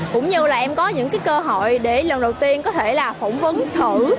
cũng như là em có những cơ hội để lần đầu tiên có thể là phỏng vấn thử